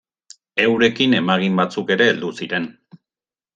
Eurekin emagin batzuk ere heldu ziren.